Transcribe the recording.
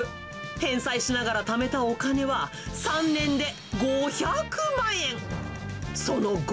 返済しながらためたお金は、３年で５００万円。